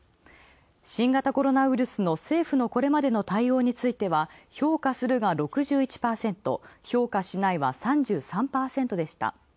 新型コロナウイルスの政府のこれまでの対応については評価するが６１％、評価しないは３３％でした。